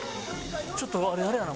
ちょっとあれやな。